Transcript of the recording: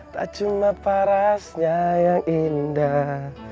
tak cuma parasnya yang indah